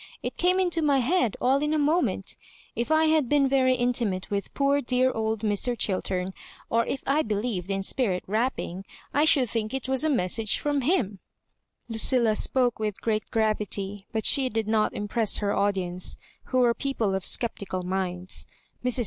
It came into my head all in a moment If I had been very intimate with poor dear old Mr. Chiltem, or if I believed in spirit rapping, I should think it was a message from him," Lucilla spoke with great gravity, but she did not impress her audience, who were people of sceptical minds. Mrs.